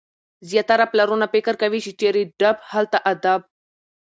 زیاتره پلرونه فکر کوي، چي چيري ډب هلته ادب.